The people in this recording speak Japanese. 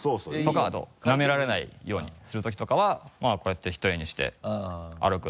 あとなめられないようにするときとかはこうやって一重にして歩く。